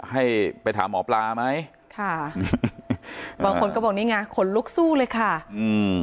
ให้ไปถามหมอปลาไหมค่ะบางคนก็บอกนี่ไงขนลุกสู้เลยค่ะอืม